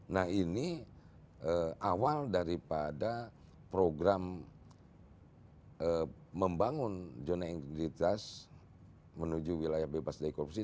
nah ini awal daripada program membangun zona integritas menuju wilayah bebas dari korupsi